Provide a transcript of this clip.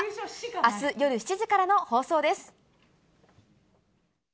あす夜７時からの放送です。